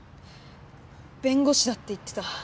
弁護士だって言ってた。